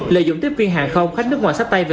lợi dụng tiếp viên hàng không